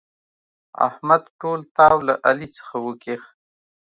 احمد ټول تاو له علي څخه وکيښ.